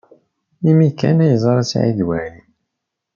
Imi-a kan ay yeẓra Saɛid Waɛli.